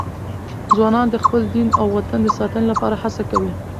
ځوانان د خپل دین او وطن د ساتنې لپاره هڅه کوي.